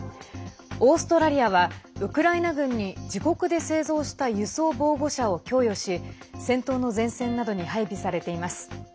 オーストラリアはウクライナ軍に自国で製造した輸送防護車を供与し戦闘の前線などに配備されています。